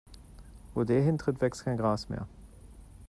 Wo der hintritt, wächst kein Gras mehr.